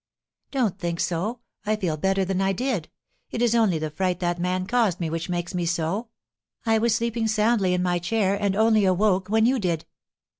"Don't think so; I feel better than I did. It is only the fright that man caused me which makes me so. I was sleeping soundly in my chair, and only awoke when you did."